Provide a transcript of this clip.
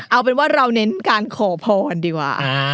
เอาเป็นว่าเราเน้นการขอพรดีกว่า